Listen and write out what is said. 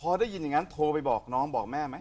พอได้ยินอย่างนั้นโทรไปบอกน้องบอกแม่ไหม